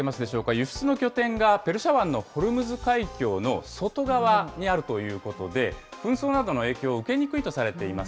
輸出の拠点がペルシャ湾のホルムズ海峡の外側にあるということで、紛争などの影響を受けにくいとされています。